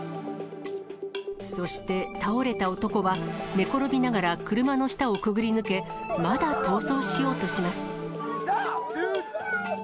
そして、倒れた男は寝ころびながら車の下をくぐり抜け、まだ逃走しようとします。